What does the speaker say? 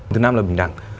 thứ năm là bình đẳng